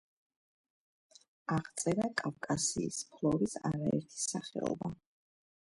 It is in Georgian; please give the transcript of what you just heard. აღწერა კავკასიის ფლორის არაერთი სახეობა.